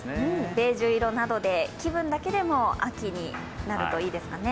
ベージュ色などで、気分だけでも秋になるといいですね。